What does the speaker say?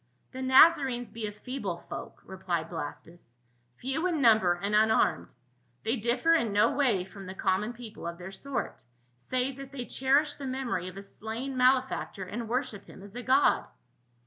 "The Nazarenes be a feeble folk," replied Blastus, 248 PA UL. " few in number and unarmed ; they differ in no way from the common people of their sort, save that they cherish the memory of a slain malefactor and worship him as a god."